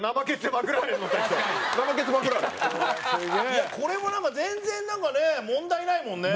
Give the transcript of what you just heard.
いやこれも全然なんかね問題ないもんね。